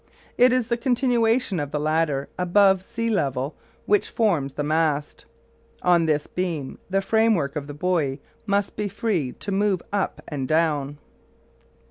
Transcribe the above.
It is the continuation of the latter above sea level which forms the mast. On this beam the framework of the buoy must be free to move up and down.